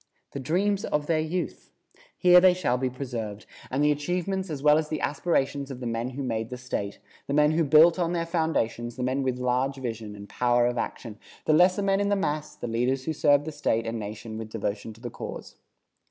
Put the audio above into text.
The dreams of their youth! Here they shall be preserved, and the achievements as well as the aspirations of the men who made the State, the men who built on their foundations, the men with large vision and power of action, the lesser men in the mass, the leaders who served the State and nation with devotion to the cause.